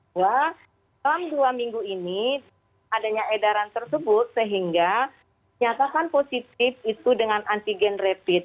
bahwa dalam dua minggu ini adanya edaran tersebut sehingga nyatakan positif itu dengan antigen rapid